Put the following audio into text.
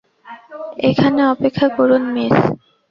এখানে অপেক্ষা করুন, মিস।